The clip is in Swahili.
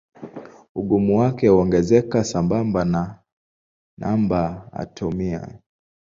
Ugumu wake huongezeka sambamba na namba atomia.